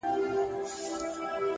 • ځوان ژاړي سلگۍ وهي خبري کوي؛